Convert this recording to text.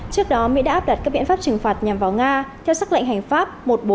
trước đó mỹ đã áp đặt các biện pháp trừng phạt nhằm vào nga theo sắc lệnh hành pháp một mươi bốn nghìn hai mươi bốn